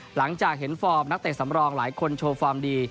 หลังจากเห็นฟอร์มนักเตะสำรองหลายคนโชว์ฟอร์มดี